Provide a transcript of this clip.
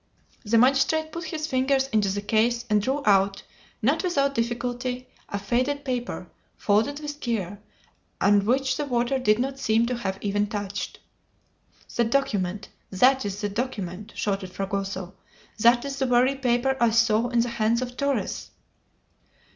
The magistrate put his fingers into the case and drew out, not without difficulty, a faded paper, folded with care, and which the water did not seem to have even touched. "The document! that is the document!" shouted Fragoso; "that is the very paper I saw in the hands of Torres!"